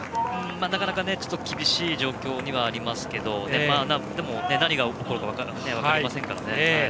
なかなか厳しい状況にはありますけどでも、何が起こるか分かりませんからね。